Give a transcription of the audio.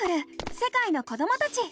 世界の子どもたち」。